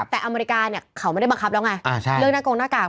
แต่อเมริกาเนี่ยเขาไม่ได้บังคับแล้วไงเรื่องหน้ากงหน้ากาก